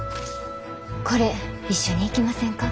これ一緒に行きませんか？